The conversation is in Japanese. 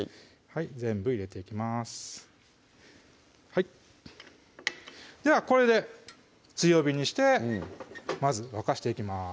全部入れていきますではこれで強火にしてまず沸かしていきます